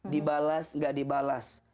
dibalas gak dibalas